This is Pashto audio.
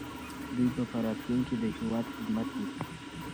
دوی به په راتلونکي کې د هېواد خدمت وکړي.